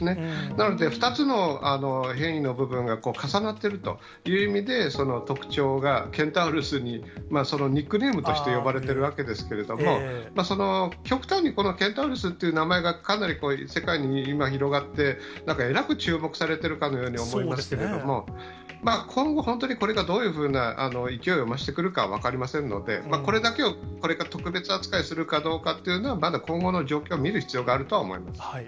なので２つの変異の部分が重なってるという意味で、特徴がケンタウロスに、そのニックネームとして呼ばれてるわけですけれども、極端にケンタウロスって名前がかなり世界に今、広がって、えらく注目されてるかのように思いますけれども、今後、本当にこれがどういうふうな勢いを増してくるか分かりませんので、これだけを、これを特別扱いするかどうかというのは、まだ今後の状況を見る必要があるとは思います。